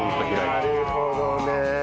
なるほどね。